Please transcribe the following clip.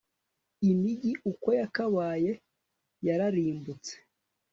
Imigi uko yakabaye yararimbutse